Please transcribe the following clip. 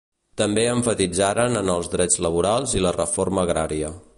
També emfatitzaren en els drets laborals i la reforma agrària.